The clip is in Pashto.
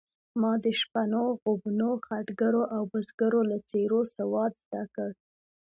ما د شپنو، غوبنو، خټګرو او بزګرو له څېرو سواد زده کړ.